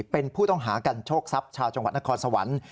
เป็นผู้ต้องหากันโชคทรัพย์ชาวจังหวัดนครสวรรค์